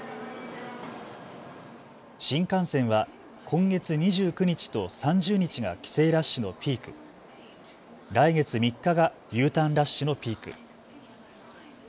新幹線は今月２９日と３０日が帰省ラッシュのピーク、来月３日がＵターンラッシュのピーク。